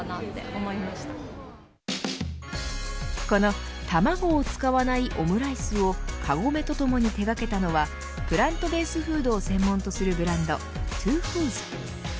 この卵を使わないオムライスをカゴメとともに手掛けたのはプラントベースフードを専用とするブランド２ｆｏｏｄｓ。